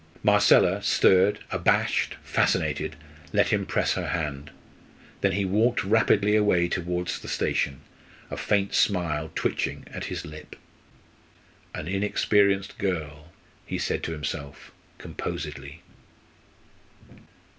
Marcella, stirred abashed fascinated let him press her hand. Then he walked rapidly away towards the station, a faint smile twitching at his lip. "An inexperienced girl," he said to himself, composedly.